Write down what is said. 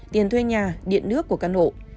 tiền thuê nhà điện nước của căn hộ